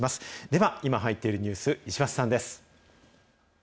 では、今入っているニュース、石橋さんです。